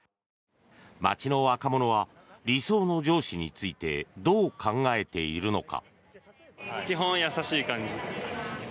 街の若者は理想の上司についてどう考えているのか。